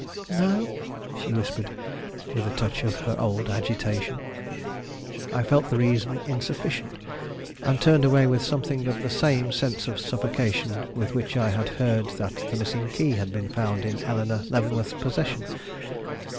"No," she whispered, with a touch of her old agitation. I felt the reason insufficient, and turned away with something of the same sense of suffocation with which I had heard that the missing key had been found in Eleanore Leavenworth's possession.